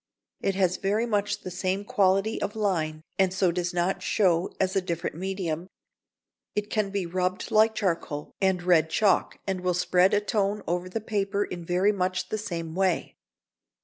It has very much the same quality of line and so does not show as a different medium. It can be rubbed like charcoal and red chalk and will spread a tone over the paper in very much the same way.